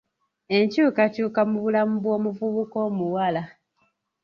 Enkyukakyuka mu bulamu bw'omuvubuka omuwala.